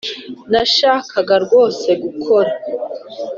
nashakaga rwose gukora